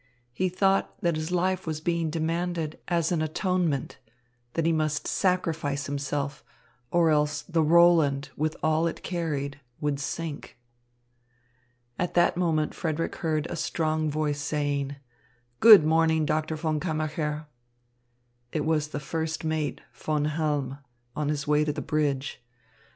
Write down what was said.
He thought that his life was being demanded as an atonement, that he must sacrifice himself, or else the Roland, with all it carried, would sink. At that moment Frederick heard a strong voice saying: "Good morning, Doctor von Kammacher." It was the first mate, Von Halm, on his way to the bridge.